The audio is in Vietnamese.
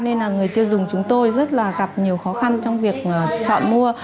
nên là người tiêu dùng chúng tôi rất là gặp nhiều khó khăn trong việc chọn mua